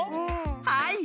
はい。